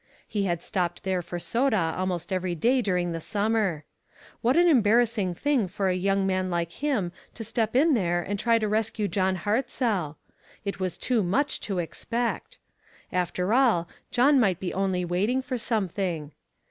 He had stopped there for soda almost every day during the summer. What an embar rassing thing for a young man like him to step in there and try to rescue John Hart zell ! It was too much to expect. After all, John might be only waiting for some thing.